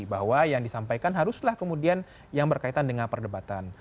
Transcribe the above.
bahwa yang disampaikan haruslah kemudian yang berkaitan dengan perdebatan